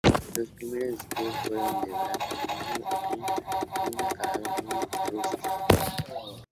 Los primeros escudos fueron de gran tamaño y de un acabado muy rústico.